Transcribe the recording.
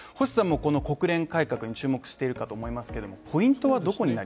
星さんもこの国連改革に注目していると思いますが、ポイントは？